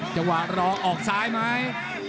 จังหวะรอออกซ้ายไหม